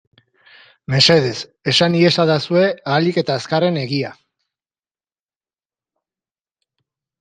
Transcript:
Mesedez esan iezadazue ahalik eta azkarren egia.